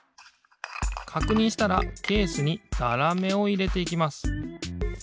かくにんしたらケースにざらめをいれていきます。